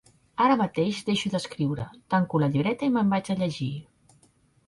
Ara mateix deixo d'escriure, tanco la llibreta i me'n vaig a llegir.